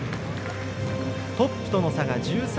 トップとの差が１３．４９９。